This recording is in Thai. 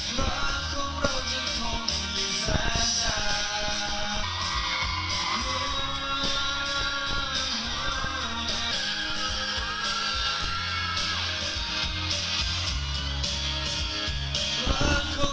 น้องก็แป้มใจจะรักกัน